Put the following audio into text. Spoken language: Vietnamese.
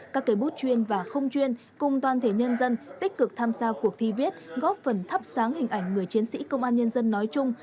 các cây bút chuyên và không chuyên cùng toàn thể nhân dân tích cực tham gia cuộc thi viết góp phần thắp sáng hình ảnh người chiến sĩ công an nhân dân nói chung